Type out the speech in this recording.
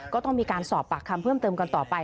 ก็ต้องมีการสอบปากคำเพิ่มเติมกันต่อไป